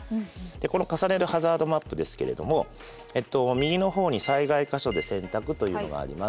この「重ねるハザードマップ」ですけれどもえっと右の方に「災害箇所で選択」というのがあります。